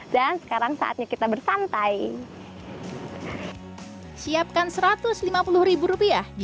dan sekarang saya akan mencari tempat untuk mencapai hemok saya akan mencari tempat untuk mencapai hemok